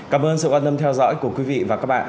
cảm ơn sự quan tâm theo dõi của quý vị và các bạn